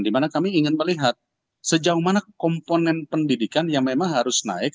dimana kami ingin melihat sejauh mana komponen pendidikan yang memang harus naik